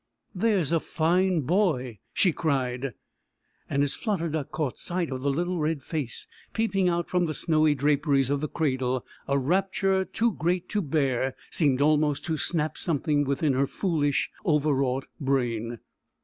"There's a fine boy!" she cried. And as Flutter Duck caught sight of the little red face peeping out from the snowy draperies of the cradle, a rapture too great to bear seemed almost to snap something within her foolish, overwrought brain.